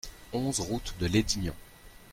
onze route de Lédignan